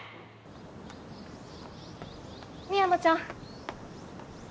深山ちゃん。